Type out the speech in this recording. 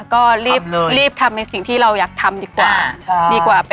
ก็รีบทำเป็นสิ่งที่เราอยากทำดีกว่า